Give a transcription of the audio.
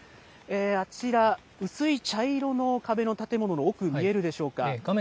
あちら、薄い茶色の壁の建物の奥、見えるでしょうか。